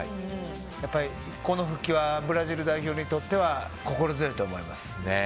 やっぱり、この復帰はブラジル代表にとっては心強いと思います。